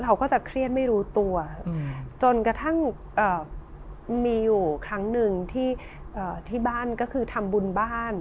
เราก็จะเครียดไม่รู้ตัวจนกระทั่งมีอยู่ครั้งหนึ่งที่บ้านก็คือทำบุญบ้าน